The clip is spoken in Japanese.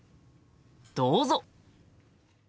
どうぞ！